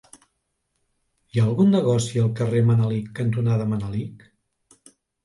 Hi ha algun negoci al carrer Manelic cantonada Manelic?